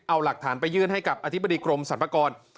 เอาหลักฐานไปยื่นให้กับอธิบดีกรมสรรพากร